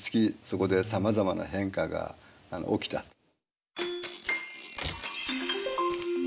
そこでさまざまな変化が起きたと。